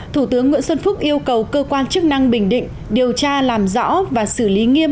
thủ tướng nguyễn xuân phúc yêu cầu cơ quan chức năng bình định điều tra làm rõ và xử lý nghiêm